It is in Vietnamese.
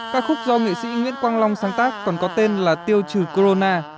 ca khúc do nghệ sĩ nguyễn quang long sáng tác còn có tên là tiêu trừ corona